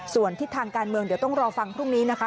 ส่วนทิศทางการเมืองเดี๋ยวต้องรอฟังพรุ่งนี้นะคะ